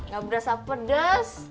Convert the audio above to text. gak berasa pedes